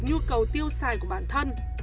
nhu cầu tiêu xài của bản thân